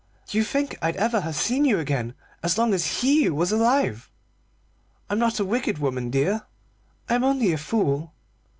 Do you think I'd ever have seen you again as long as he was alive? I'm not a wicked woman, dear, I'm only a fool."